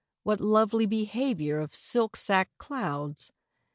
what lovely behaviour Of silk sack clouds!